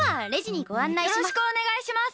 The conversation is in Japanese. よろしくお願いします！